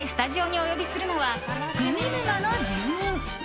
そこで、今回スタジオにお呼びするのはグミ沼の住人。